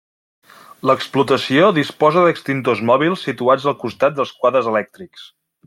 L'explotació disposa d'extintors mòbils situats al costat dels quadres elèctrics.